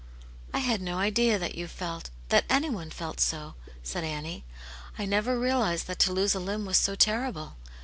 " I had no idea that you felt, that anyone felt so," said Annie. '* I never realized that to lose a limb was so terrible.